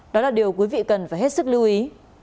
đó là điều quý vị cần phải hết sức lưu ý